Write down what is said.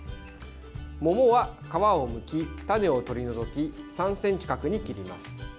桃は皮をむき、種を取り除き３ｃｍ角に切ります。